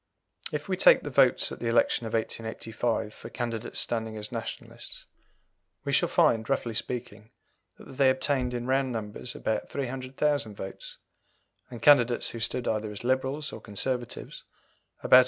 If we take the votes at the election of 1885 for candidates standing as Nationalists, we shall find, roughly speaking, that they obtained in round numbers about 300,000 votes, and candidates who stood either as Liberals or Conservatives about 143,000.